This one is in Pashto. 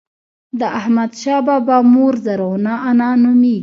د احمدشاه بابا مور زرغونه انا نوميږي.